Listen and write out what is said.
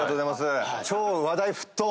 超話題沸騰。